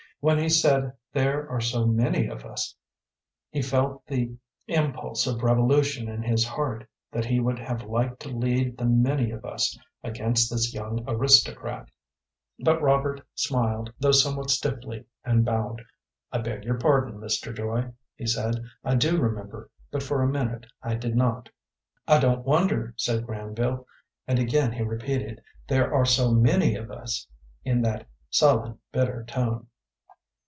When he said "there are so many of us," he felt the impulse of revolution in his heart; that he would have liked to lead the "many of us" against this young aristocrat. But Robert smiled, though somewhat stiffly, and bowed. "I beg your pardon, Mr. Joy," he said; "I do remember, but for a minute I did not." "I don't wonder," said Granville, and again he repeated, "There are so many of us," in that sullen, bitter tone.